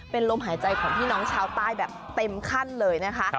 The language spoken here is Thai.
เป็นลมหายใจของพี่น้องชาวใต้แบบเต็มขั้นเลยนะคะ